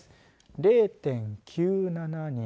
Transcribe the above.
０．９７人。